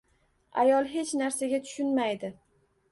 Ayol hech narsaga tushunmaydi.